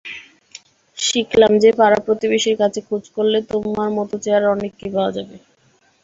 শিখলাম যে, পাড়া প্রতিবেশির কাছে খোঁজ করলে তোমার মতো চেহারার অনেককেই পাওয়া যাবে।